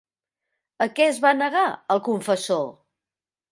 A què es va negar el confessor?